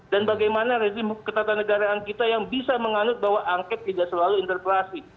dan bagaimana rezim ketata negaraan kita yang bisa menganut bahwa angket tidak selalu interpelasi